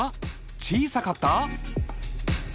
小さかった？